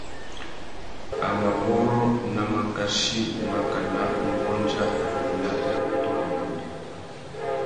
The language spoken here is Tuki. A mà wôrrô nà makachí makana mbôndia râ mina nà nutu râ nguêndê.